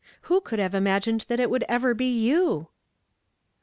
39 Who could have imagined that it would ever be you?"